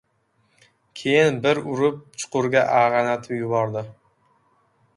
Keyin, bir urib chuqurga ag‘anatib yubordi.